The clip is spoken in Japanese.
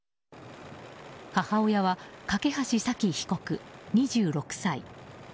母親は梯砂希被告、２６歳。